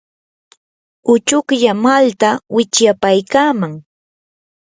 uchuklla malta wichyapaykaaman.